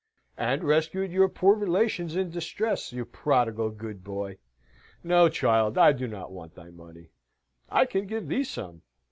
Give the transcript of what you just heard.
"And rescued your poor relations in distress, you prodigal good boy. No, child, I do not want thy money. I can give thee some.